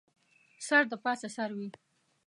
سر دې پاسه سر وي